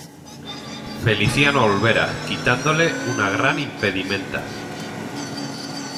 Feliciano Olvera, quitándole una gran impedimenta.